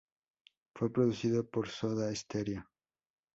Fue producido por Soda Stereo.